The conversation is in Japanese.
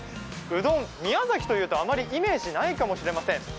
うどん、宮崎というとあまりイメージないかもれません。